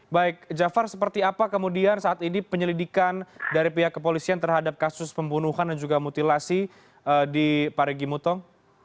baik jafar seperti apa kemudian saat ini penyelidikan dari pihak kepolisian terhadap kasus pembunuhan dan juga mutilasi di parigi mutong